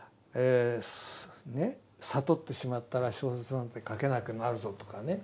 「悟ってしまったら小説なんて書けなくなるぞ」とかね